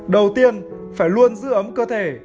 đầu tiên phải luôn giữ ấm cơ thể